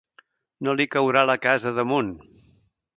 No li caurà la casa damunt!